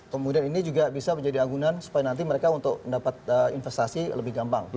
kemudian ini juga bisa menjadi anggunan supaya nanti mereka untuk mendapat investasi lebih gampang